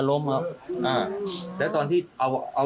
ก็เป็นไม้เรียวครับ